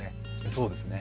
そうですね。